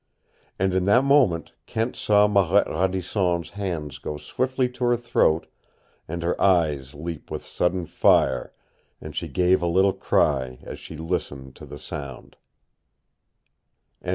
And in that moment Kent saw Marette Radisson's hands go swiftly to her throat and her eyes leap with sudden fire, and she gave a little cry as she listened to the sound.